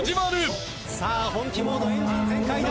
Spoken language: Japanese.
さあ本気モードエンジン全開だ。